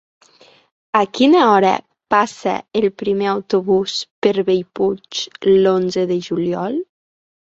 A quina hora passa el primer autobús per Bellpuig l'onze de juliol?